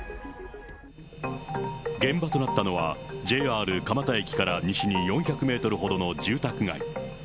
現場となったのは、ＪＲ蒲田駅から西に４００メートルほどの住宅街。